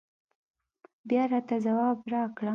بيا راته ځواب راکړه